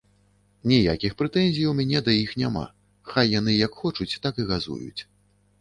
Ніякіх прэтэнзій у мяне да іх няма, хай яны як хочуць, так і газуюць.